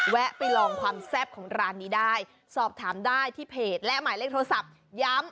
แวะไปลองความแซ่บของร้านนี้ได้สอบถามได้ที่เพจและหมายเลขโทรศัพท์ย้ำ